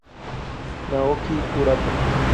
Naoki Urata